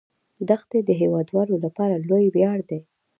دښتې د هیوادوالو لپاره لوی ویاړ دی.